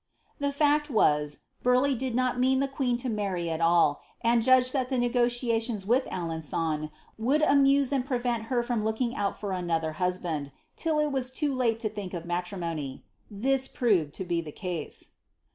' TVs &ct was, Burleigh did not mean the queen to marry at all, and Mged that the negotiations with Alen^on would amuse and prevent Mr from looking out for another husband, till it was too late to think of oitrimony. This proved to be the case.